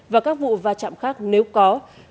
và các vụ va chạm khác nếu có